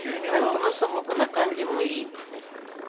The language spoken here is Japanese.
その素朴な感じもいいよね。